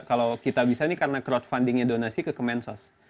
kalau kitabisa nih karena crowdfundingnya donasi ke kemensos